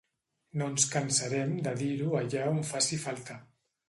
No ens cansarem de dir-ho allà on faci falta.